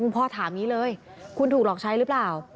พ่อถามอย่างนี้เลยคุณถูกหลอกใช้หรือเปล่า